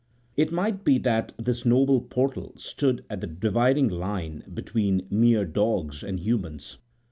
It might be that this noble portal stood as the dividing line between mere dogs and humans.